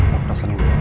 waktu sana udah aja